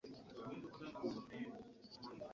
Kato y'awandika abayizi abogera mu kibiina.